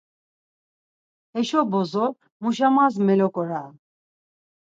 Heşo bozo muşamas melaǩora.